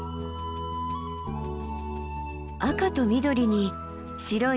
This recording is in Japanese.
赤と緑に白い